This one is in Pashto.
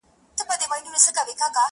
غر او سمه د سركښو اولسونو-